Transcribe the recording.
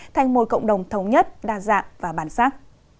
thành một cộng đồng thống nhất đa dạng và bản sắc